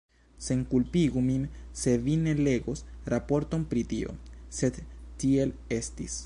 Senkulpigu min se vi ne legos raporton pri tio, sed tiel estis.